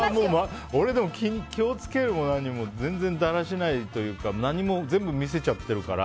俺、でも気を付けるも何も全然だらしないというか全部見せちゃってるから。